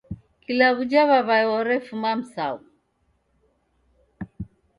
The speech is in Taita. Kila w'uja w'aw'ae orefuma Msau!